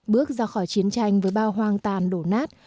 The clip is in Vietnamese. bước ra khỏi chiến tranh với bao hoang tàn đổ nát